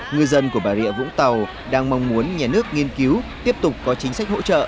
ngư dân của bà rịa vũng tàu đang mong muốn nhà nước nghiên cứu tiếp tục có chính sách hỗ trợ